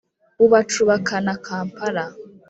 Bubacubakana Kampala,